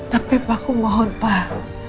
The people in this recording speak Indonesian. tapi pak ku mohon pak